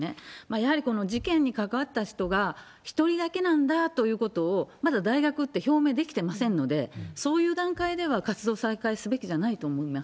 やはりこの事件に関わった人が、１人だけなんだということをまだ大学って表明できてませんので、そういう段階では活動再開すべきじゃないと思います。